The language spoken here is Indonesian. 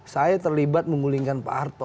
saya terlibat mengulingkan pak arto